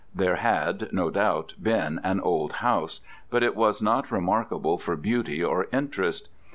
There had, no doubt, been an old house; but it was not remarkable for beauty or interest.